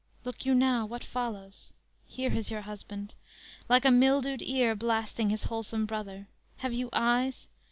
Look you now, What follows: Here is your husband: like a mildewed ear, Blasting his wholesome brother. Have you eyes?